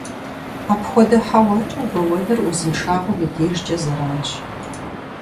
Апхуэдэ хьэуакӀэ убэуэныр узыншагъэм и дежкӀэ зэранщ.